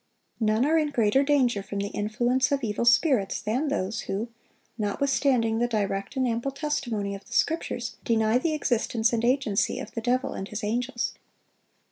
None are in greater danger from the influence of evil spirits than those who, notwithstanding the direct and ample testimony of the Scriptures, deny the existence and agency of the devil and his angels.